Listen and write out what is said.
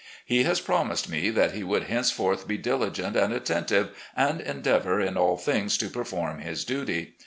He has promised me that he would henceforth be diligent and attentive, and endeavour in all things to perform his duty.